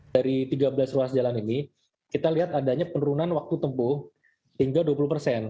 dari tiga belas ruas jalan ini kita lihat adanya penurunan waktu tempuh hingga dua puluh persen